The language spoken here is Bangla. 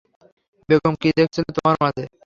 বেগম কি দেখছিলো তোমার মাঝে?